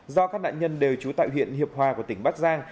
do các nạn nhân đều trú tại huyện hiệp hòa của tỉnh bắc giang